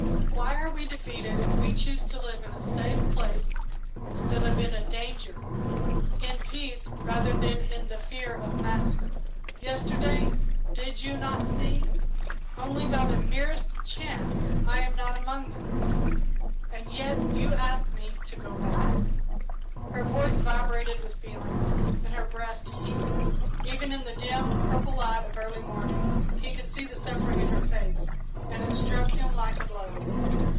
Why are we defeated if we choose to live in a safe place instead of in danger in peace rather than in the fear of massacre? Yesterday, did you not see? Only by the merest chance I am not among them and yet you ask me to go back!" Her voice vibrated with feeling, and her breast heaved. Even in the dim, purple light of early morning he could see the suffering in her face, and it struck him like a blow.